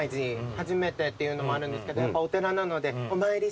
初めてっていうのもあるんですけどやっぱお寺なのでお参りしに行きたいです。